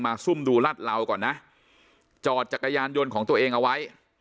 ซุ่มดูรัดเหลาก่อนนะจอดจักรยานยนต์ของตัวเองเอาไว้